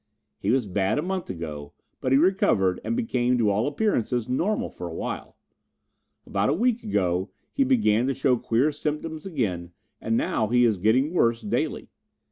He was bad a month ago but he recovered and became, to all appearances, normal for a time. About a week ago he began to show queer symptoms again and now he is getting worse daily.